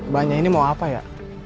banyak ini mau apa ya